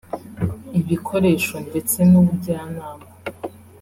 ibikoresho ndetse n’ubujyanama